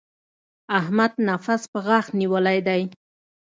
احمد نفس په غاښ نيولی دی.